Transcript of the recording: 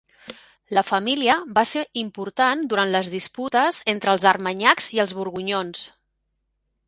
La família va ser important durant les disputes entre els armanyacs i els borgonyons.